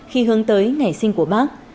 khi hướng tới ngày sinh của bác